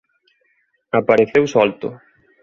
Apareceu solto.